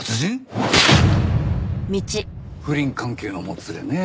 不倫関係のもつれねえ。